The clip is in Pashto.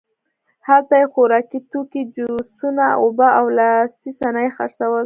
هلته یې خوراکي توکي، جوسونه، اوبه او لاسي صنایع خرڅول.